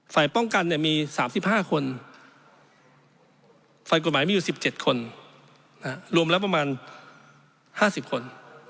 ฝ่ายป้องกันมี๓๕คนฝ่ายกฎหมายมีอยู่๑๗คนรวมแล้วประมาณ๕๐คน